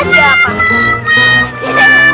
siapa yang makan ini